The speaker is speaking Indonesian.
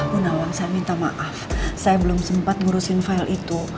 gunawan saya minta maaf saya belum sempat ngurusin file itu